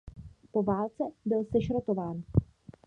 Po válce byl sešrotován.